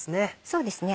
そうですね